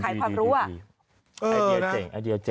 เออดีไอเดียเจ๋ง